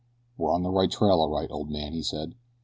"We're on the right trail all right, old man," he said.